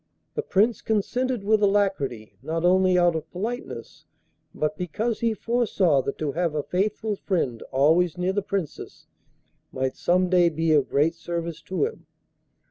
The Prince consented with alacrity, not only out of politeness, but because he foresaw that to have a faithful friend always near the Princess might some day be of great service to him.